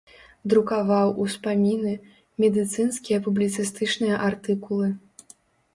Друкаваў успаміны, медыцынскія публіцыстычныя артыкулы.